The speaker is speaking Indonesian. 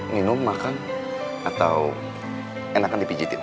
minum makan atau enakan dipijitin